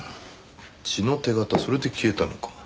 血の手形それで消えたのか。